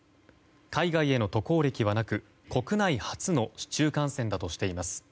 海外への渡航歴はなく、国内初の市中感染だとしています。